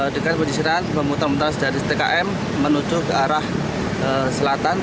dekat penyisiran memutar mutar dari tkm menuju ke arah selatan